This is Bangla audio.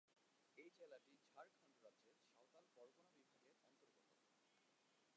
এই জেলাটি ঝাড়খন্ড রাজ্যের সাঁওতাল পরগনা বিভাগের অন্তর্গত।